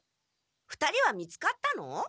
２人は見つかったの？